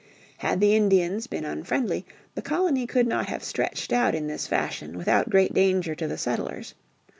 Had the Indians been unfriendly, the colony could not have stretched out in this fashion without great danger to the settlers.